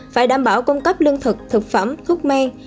phải đảm bảo cung cấp lương thực thực phẩm thuốc men